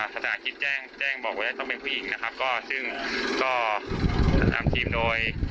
ซึ่งก็สำคัญถึงโดย